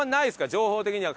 情報的には。